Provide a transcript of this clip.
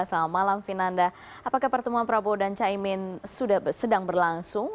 selamat malam vinanda apakah pertemuan prabowo dan caimin sudah sedang berlangsung